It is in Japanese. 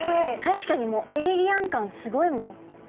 確かにエイリアン感スゴいもん。